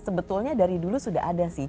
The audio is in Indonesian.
sebetulnya dari dulu sudah ada sih